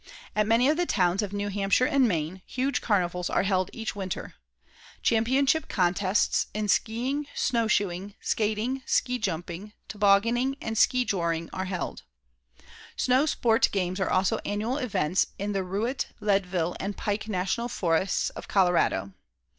At many of the towns of New Hampshire and Maine, huge carnivals are held each winter. Championship contests in skiing, snowshoeing, skating, ski jumping, tobogganing and ski joring are held. Snow sport games are also annual events in the Routt, Leadville and Pike National Forests of Colorado.